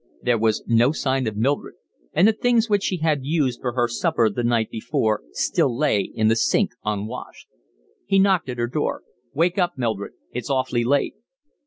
There was no sign of Mildred, and the things which she had used for her supper the night before still lay in the sink unwashed. He knocked at her door. "Wake up, Mildred. It's awfully late."